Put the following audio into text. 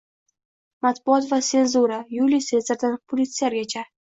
Matbuot va senzura – Yuliy Sezardan Pulitsergacha